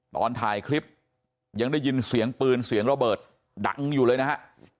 ตอนถ่ายคลิปยังได้ยินเสียงปืนเสียงระเบิดดังอยู่เลยนะฮะ